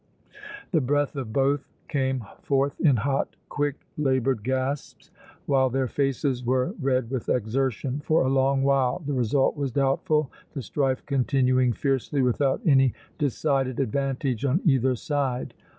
The breath of both came forth in hot, quick, labored gasps, while their faces were red with exertion. For a long while the result was doubtful, the strife continuing fiercely without any decided advantage on either side.